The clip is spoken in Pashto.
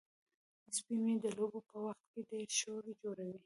سپی مې د لوبو په وخت کې ډیر شور جوړوي.